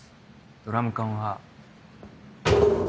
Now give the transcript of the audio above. ドラム缶は。